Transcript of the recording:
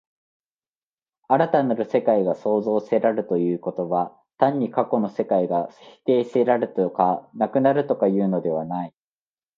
新たなる世界が創造せられるということは、単に過去の世界が否定せられるとか、なくなるとかいうのではない。